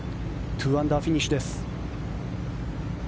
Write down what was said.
２アンダーフィニッシュです。